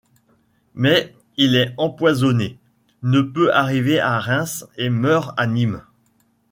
Mais il est empoisonné, ne peut ariver à Reims et meurt à Nîmes.